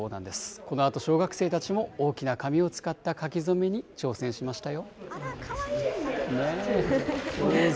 このあと小学生たちも大きな紙を使った書き初めに挑戦しましたよ。